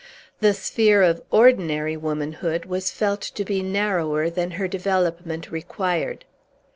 The sphere of ordinary womanhood was felt to be narrower than her development required.